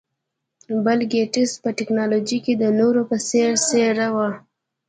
بل ګېټس په ټکنالوژۍ کې د نورو په څېر څېره وه.